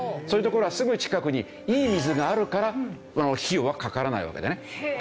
そういうところはすぐ近くにいい水があるから費用はかからないわけだよね。